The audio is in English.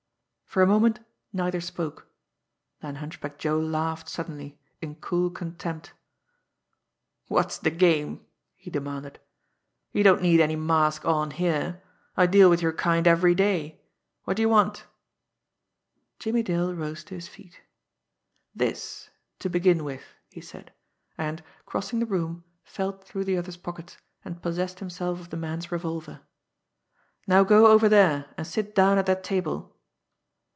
For a moment neither spoke then Hunchback Joe laughed suddenly in cool contempt. "What's the game?" he demanded. "You don't need any mask on here I deal with your kind every day. What do you want?" Jimmie Dale rose to his feet. "This to begin with!" he said and, crossing the room, felt through the other's pockets, and possessed himself of the man's revolver. "Now go over there, and sit down at that table!"